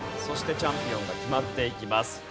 そしてチャンピオンが決まっていきます。